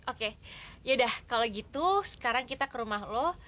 oke yaudah kalau gitu sekarang kita ke rumah lo